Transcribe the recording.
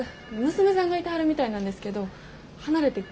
娘さんがいてはるみたいなんですけど離れて。